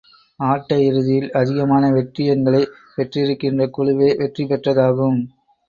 ஆட்ட இறுதியில், அதிகமான வெற்றி எண்களைப் பெற்றிருக்கின்ற குழுவே, வெற்றி பெற்றதாகும்.